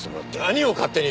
何を勝手に！